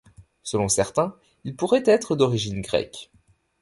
Selon certains, il pourrait être d'origine grecque.